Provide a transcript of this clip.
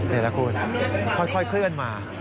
เห็นแล้วคุณค่อยเคลื่อนมา